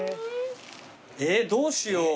えっどうしよう？